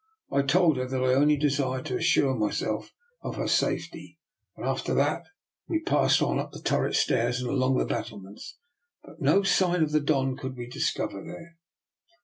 " I told her that I only desired to assure myself of her safety, and after that we passed on up the turret stairs and along the battlements, but no sign of the Don could we discover there.